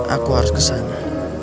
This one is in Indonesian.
aku harus kesana